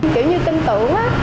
kiểu như tin tưởng á